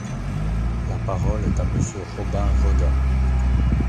La parole est à Monsieur Robin Reda.